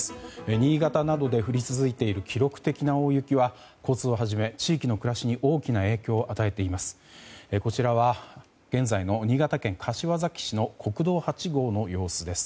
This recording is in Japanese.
新潟などで降り続いている記録的な大雪は交通をはじめ地域の暮らしに大きな影響を与えています。